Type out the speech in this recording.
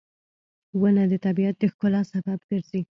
• ونه د طبیعت د ښکلا سبب ګرځي.